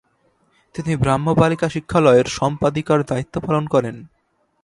তিনি ব্রাহ্ম বালিকা শিক্ষালয়ের সম্পাদিকার দায়িত্ব পালন করেন।